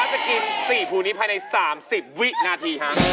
จะกิน๔ภูนี้ภายใน๓๐วินาทีฮะ